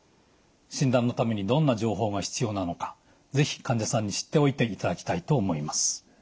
診断のためにどんな情報が必要なのか是非患者さんに知っておいていただきたいと思います。